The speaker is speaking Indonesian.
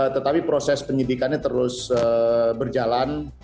tetapi proses penyidikannya terus berjalan